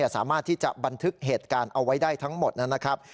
สามารถที่จะบันทึกเหตุการณ์เอาไว้ได้ทั้งหมดนะครับ